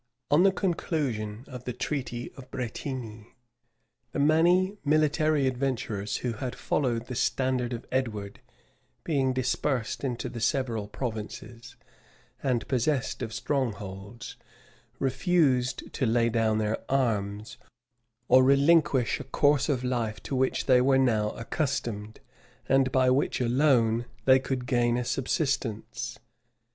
On the conclusion of the treaty of Bretigni, the many military adventurers who had followed the standard of Edward being dispersed into the several provinces, and possessed of strongholds, refused to lay down their arms, or relinquish a course of life to which they were now accustomed, and by which alone they could gain a subsistence.